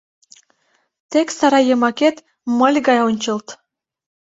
Тек сарай йымакет мыль гай ончылт!